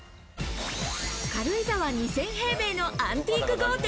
軽井沢２０００平米のアンティーク豪邸。